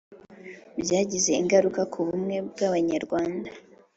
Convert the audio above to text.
Byagize ingaruka ku bumwe bw'Abanyarwanda: